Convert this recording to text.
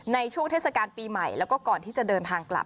เทศกาลปีใหม่แล้วก็ก่อนที่จะเดินทางกลับ